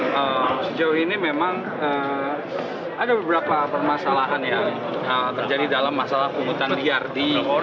sejauh ini memang ada beberapa permasalahan yang terjadi dalam masalah penghutan liar di